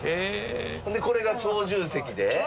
ほんでこれが操縦席で。